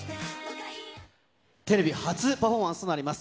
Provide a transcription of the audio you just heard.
テレビ初パフォーマンスとなります。